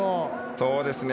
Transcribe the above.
そうですね